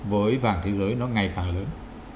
với vàng thế giới nó ngày càng lớn